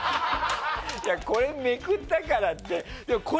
これめくったからって。